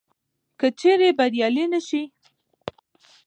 که چیري بریالي نه سي